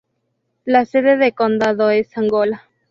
La sede de condado es Angola.